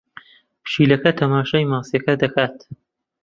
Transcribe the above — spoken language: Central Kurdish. پشیلەکە تەماشای ماسییەکە دەکات.